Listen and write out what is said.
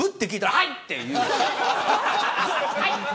はいって。